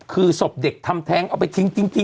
คือศพเด็กทำแท้งเอาไปทิ้งจริง